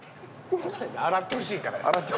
洗ってほしいからや。